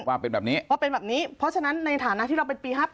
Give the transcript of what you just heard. ว่าเป็นแบบนี้เพราะฉะนั้นในฐานะที่เราเป็นปี๕๘